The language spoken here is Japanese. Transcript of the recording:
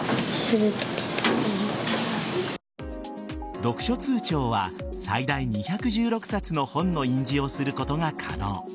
読書通帳は最大２１６冊の本の印字をすることが可能。